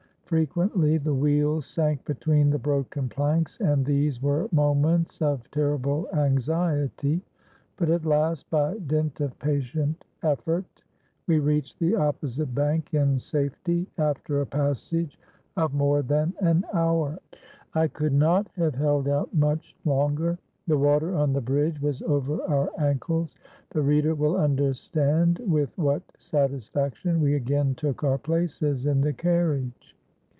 Frequently the wheels sank between the broken planks, and these were moments of terrible anxiety; but at last, by dint of patient effort, we reached the opposite bank in safety, after a passage of more than an hour. I could not have held out much longer; the water on the bridge was over our ankles. The reader will understand with what satisfaction we again took our places in the carriage.